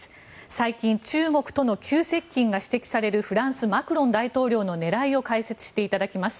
最近中国との急接近が指摘されるフランス、マクロン大統領の狙いを解説していただきます。